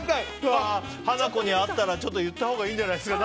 ハナコに会ったら言ったほうがいいんじゃないですか。